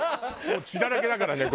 もう血だらけだからね